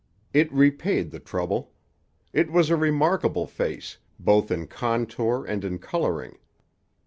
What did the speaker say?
It repaid the trouble. It was a remarkable face, both in contour and in coloring.